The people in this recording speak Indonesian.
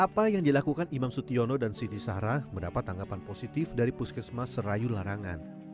apa yang dilakukan imam sutyono dan siti sahra mendapat anggapan positif dari puskesma serayu larang